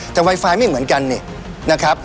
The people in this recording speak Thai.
แต่ไวไฟไม่เหมือนกันเนี่ยนะครับ